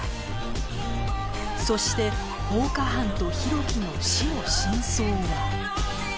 そして放火犯と浩喜の死の真相は？